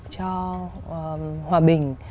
cho hòa bình